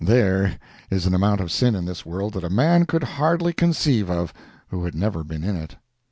There is an amount of sin in this world that a man could hardly conceive of who had never been in it.